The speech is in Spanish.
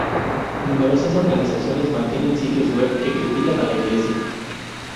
Numerosas organizaciones mantiene sitios web que critican a la iglesia.